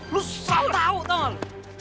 lo salah tahu tolong